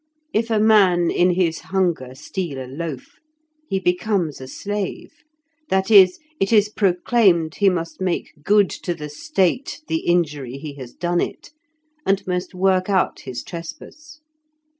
If a man in his hunger steal a loaf, he becomes a slave; that is, it is proclaimed he must make good to the State the injury he has done it, and must work out his trespass.